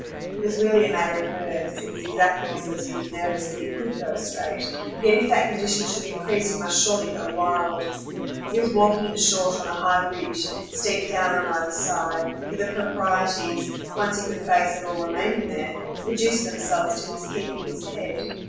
It was really a matter of nerves; it was exactly because he was nervous that he COULD go straight; yet if that condition should increase he must surely go wild. He was walking in short on a high ridge, steep down on either side, where the proprieties once he could face at all remaining there reduced themselves to his keeping his head.